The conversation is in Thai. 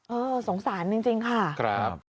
เออสงสารจริงค่ะ